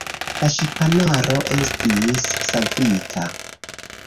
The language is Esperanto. La ŝipanaro estis savita.